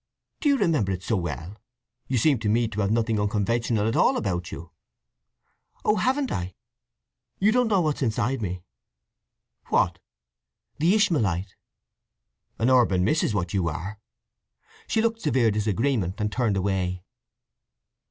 "Do you remember it so well? You seem to me to have nothing unconventional at all about you." "Oh, haven't I! You don't know what's inside me." "What?" "The Ishmaelite." "An urban miss is what you are." She looked severe disagreement, and turned away.